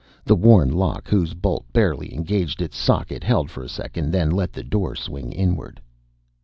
The worn lock, whose bolt barely engaged its socket, held for a second, then let the door swing inward.